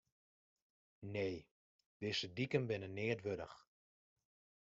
Nee, dizze diken binne neat wurdich.